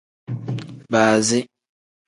Baazi.